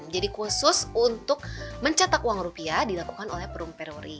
jadi khusus untuk mencatak uang rupiah dilakukan oleh perum peruri